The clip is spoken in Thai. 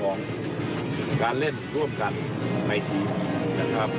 ความเข้าใจของการเล่นร่วมกันในทีมนะครับ